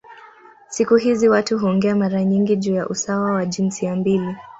Siku hizi watu huongea mara nyingi juu ya usawa wa jinsia mbili.